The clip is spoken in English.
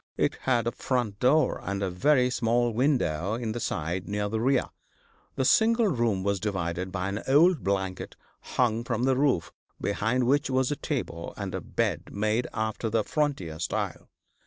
It had a front door, and a very small window in the side, near the rear. The single room was divided by an old blanket hung from the roof, behind which was a table and a bed made after the frontier style.